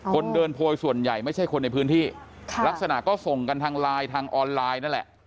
คนเดินโพยส่วนใหญ่ไม่ใช่คนในพื้นที่ลักษณะก็ส่งกันทางไลน์ทางออนไลน์นั่นแหละ